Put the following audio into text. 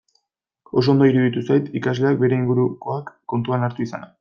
Oso ondo iruditu zait ikasleak bere ingurukoak kontuan hartu izana.